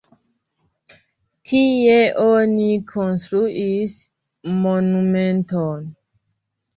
Tie oni konstruis monumenton.